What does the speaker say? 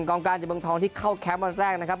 กลางจากเมืองทองที่เข้าแคมป์วันแรกนะครับ